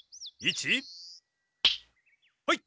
はい！